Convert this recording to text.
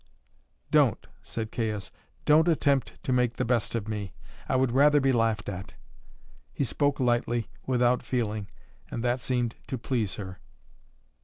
"Don't," said Caius "don't attempt to make the best of me. I would rather be laughed at." He spoke lightly, without feeling, and that seemed to please her.